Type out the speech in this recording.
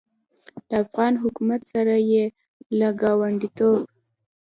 له افغان حکومت سره یې له ګاونډیتوب